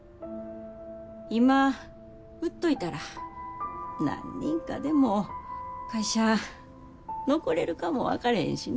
今売っといたら何人かでも会社残れるかも分かれへんしな。